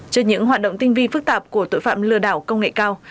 trên những hoạt động tinh vi phức tạp của tội phạm lừa đảo công nghệ cao